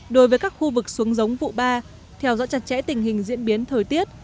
đối với các khu vực xuống giống vụ ba theo dõi chặt chẽ tình hình diễn biến thời tiết